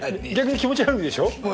逆に気持ち悪いでしょ？